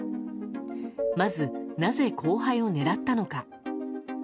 まず、なぜ後輩を狙ったのか。